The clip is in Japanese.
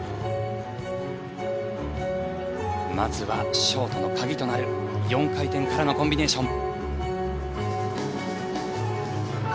まずは、ショートの鍵となる４回転からのコンビネーション。